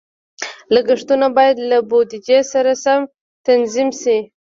لګښتونه باید له بودیجې سره سم تنظیم شي.